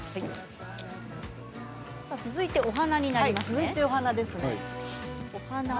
続いての花になります。